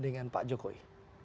dengan pak jokowi